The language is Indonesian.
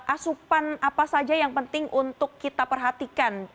asupan apa saja yang penting untuk kita perhatikan